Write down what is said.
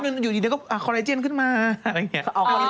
อยู่อยู่เดียวก็มีอัลแซเอร์ชีวิตขึ้นมาอะไรเงี้ย